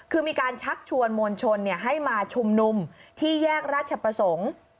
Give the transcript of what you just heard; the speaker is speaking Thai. คือมีการชักชวนมวลชนให้มาชุมนุมที่แยกราชประสงค์